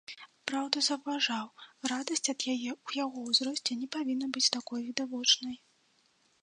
Праўда, заўважаў, радасць ад яе ў яго ўзросце не павінна быць такой відавочнай.